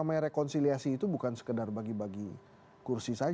nah yang namanya re konsiliasi itu bukan sekedar bagi bagi kursi saja